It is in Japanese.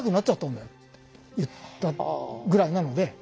言ったぐらいなので。